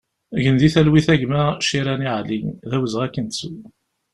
Gen di talwit a gma Cirani Ali, d awezɣi ad k-nettu!